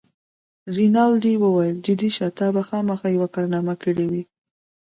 رینالډي وویل: جدي شه، تا به خامخا یوه کارنامه کړې وي.